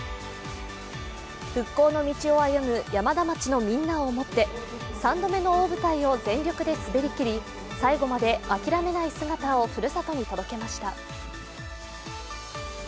復興の道を歩む山田町のみんなを思って３度目の大舞台を全力で滑りきり、最後まで諦めない姿をふるさとに届けました。